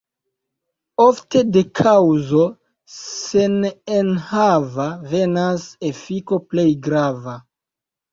Ofte de kaŭzo senenhava venas efiko plej grava.